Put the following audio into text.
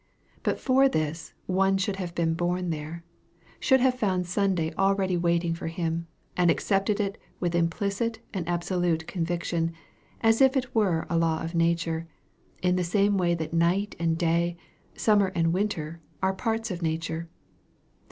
But for this, one should have been born there; should have found Sunday already waiting for him, and accepted it with implicit and absolute conviction, as if it were a law of nature, in the same way that night and day, summer and winter, are parts of nature.